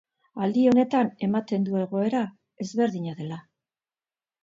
Aldi honetan, ematen du egoera ezberdina dela.